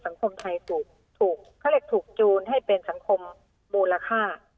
สังคมไทยถูกเขาเรียกถูกจูนให้เป็นสังคมมูลค่า